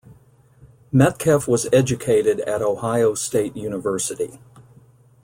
Medkeff was educated at Ohio State University.